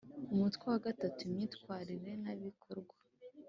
umutwe wa gatanu imyitwarire n ibikorwa